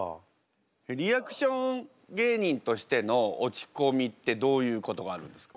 リアクション芸人としての落ちこみってどういうことがあるんですか？